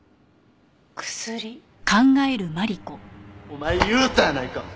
お前言うたやないか。